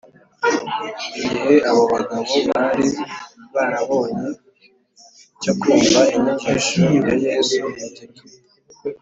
igihe abo bagabo bari barabonye cyo kumva inyigisho ya yesu ni gito